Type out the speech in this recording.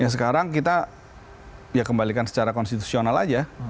sekarang kita kembalikan secara konstitusional saja